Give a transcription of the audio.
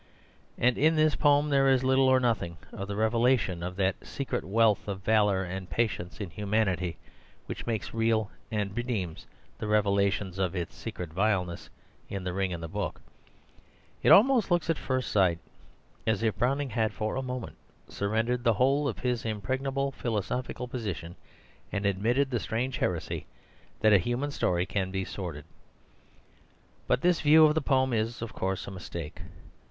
And in this poem there is little or nothing of the revelation of that secret wealth of valour and patience in humanity which makes real and redeems the revelation of its secret vileness in The Ring and the Book. It almost looks at first sight as if Browning had for a moment surrendered the whole of his impregnable philosophical position and admitted the strange heresy that a human story can be sordid. But this view of the poem is, of course, a mistake.